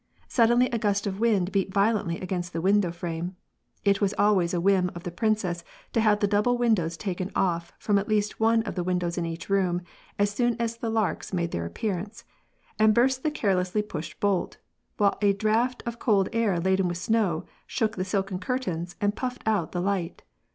Suddenly a gust of wind beat violently against tho window frame ^it was always a whim of the princess to have the double winaows taken off from at least one of the win dows in each room, as soon as the larks made their appear ance) and burst the carelessly pushed bolt, while a draught of cold air laden with snow shook the silken curtains and puffed out the light.